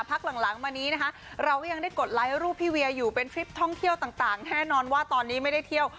พักหลังมานี้นะคะเราก็ยังได้กดไลค์รูปพี่เวียอยู่เป็นทริปท่องเที่ยวต่างแน่นอนว่าตอนนี้ไม่ได้เที่ยว